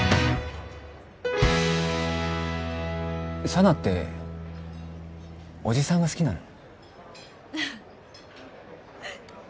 佐奈っておじさんが好きなの？